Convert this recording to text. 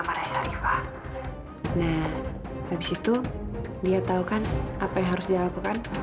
nah habis itu dia tahu kan apa yang harus dilakukan